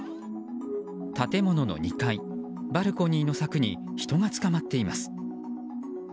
建物の２階、バルコニーの柵に人がつかまっています。